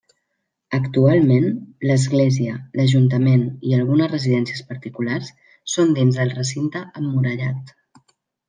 Actualment, l'església, l'Ajuntament i algunes residències particulars són dins del recinte emmurallat.